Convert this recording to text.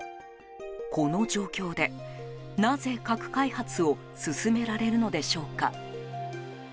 この状況でなぜ、核開発を進められるのでしょうか。